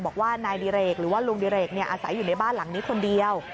บอกว่านายดิเรกหรือว่าลุงดิเรกอาศัยอยู่ในบ้านหลังนี้คนเดียว